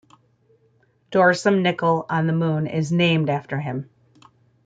Dorsum Nicol on the Moon is named after him.